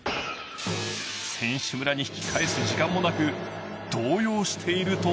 選手村に引き返す時間もなく動揺していると